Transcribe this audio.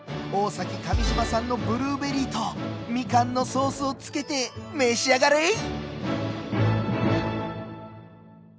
大崎上島産のブルーベリーとみかんのソースをつけて召し上がれ！